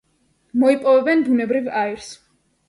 მოიპოვებენ ბუნებრივ აირს.